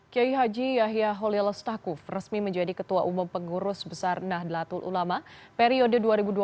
kiai haji yahya holil stakuf resmi menjadi ketua umum pengurus besar nahdlatul ulama periode dua ribu dua puluh satu dua ribu dua puluh enam